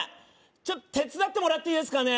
ちょっと手伝ってもらっていいですかね